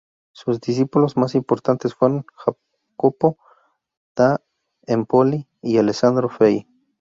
Sus discípulos más importantes fueron Jacopo da Empoli y Alessandro Fei.